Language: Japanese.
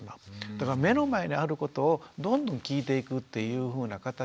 だから目の前にあることをどんどん聞いていくっていうふうな形のね